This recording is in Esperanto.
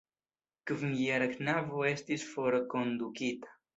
Kvinjara knabo estis forkondukita.